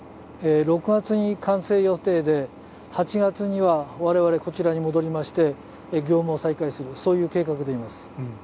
６月に完成予定で、８月には我々はこちらに戻りまして業務を再開する、そういう計画でいます。